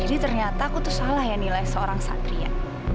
jadi ternyata aku tuh salah ya nilai seorang satria